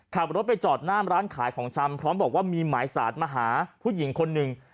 ขับรถไปจอดหน้ามร้านขายของชำพร้อมบอกว่ามีหมายสารมาหาผู้หญิงคนหนึ่ง